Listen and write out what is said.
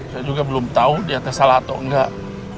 saya juga belum tahu dia tersalah atau enggak